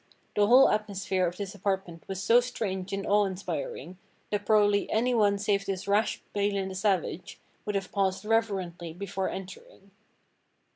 The whole atmosphere of this apartment was so strange and awe inspiring that probably anyone save this rash Balin the Savage would have paused reverently before entering.